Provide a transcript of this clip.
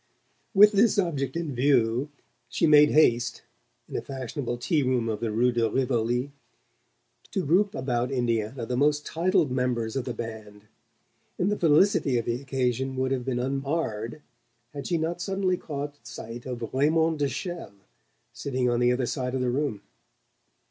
With this object in view she made haste, in a fashionable tea room of the rue de Rivoli, to group about Indiana the most titled members of the band; and the felicity of the occasion would have been unmarred had she not suddenly caught sight of Raymond de Chelles sitting on the other side of the room.